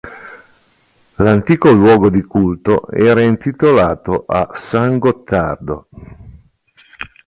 L'antico luogo di culto era intitolato a san Gottardo.